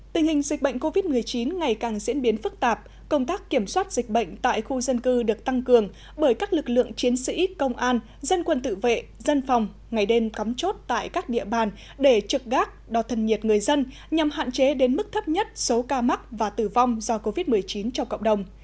tình hình dịch bệnh covid một mươi chín ngày càng diễn biến phức tạp công tác kiểm soát dịch bệnh tại khu dân cư được tăng cường bởi các lực lượng chiến sĩ công an dân quân tự vệ dân phòng ngày đêm cắm chốt tại các địa bàn để trực gác đo thân nhiệt người dân nhằm hạn chế đến mức thấp nhất số ca mắc và tử vong do covid một mươi chín trong cộng đồng